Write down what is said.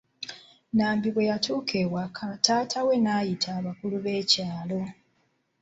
Nambi bwe yatuuka ewaka, taata we n'ayita abakulu b'ekyaalo.